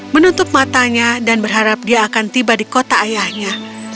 menutup matanya dan berharap dia akan tiba di kota ayahnya